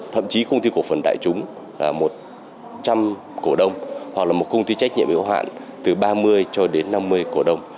thậm chí công ty cổ phần đại chúng là một trăm linh cổ đông hoặc là một công ty trách nhiệm yếu hạn từ ba mươi cho đến năm mươi cổ đông